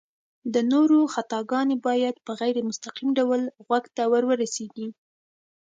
د نورو خطاګانې بايد په غير مستقيم ډول غوږ ته ورورسيږي